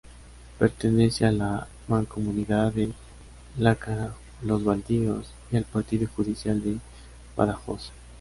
Pertenece a la Mancomunidad de Lácara-Los Baldíos y al Partido judicial de Badajoz.